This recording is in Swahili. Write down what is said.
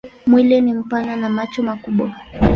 Mwili ni mpana na macho makubwa.